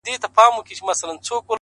ستا شاعرۍ ته سلامي كومه،